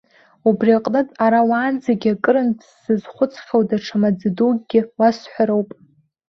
Убри аҟнытә, ара уаанӡагьы акырынтә сзызхәыцхьоу даҽа маӡа дукгьы уасҳәароуп.